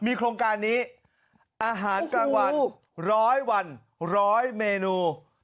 โครงการนี้อาหารกลางวันร้อยวันร้อยเมนู